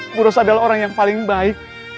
ibu raja adalah orang yang paling baik